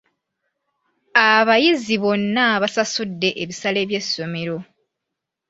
Abayizi bonna basasudde ebisale by'essomero.